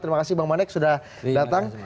terima kasih bang manek sudah datang